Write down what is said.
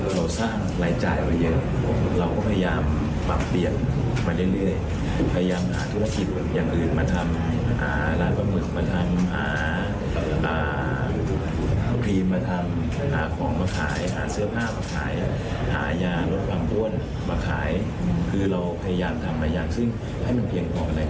ให้มันเพียงเหมาะกันได้จ่าย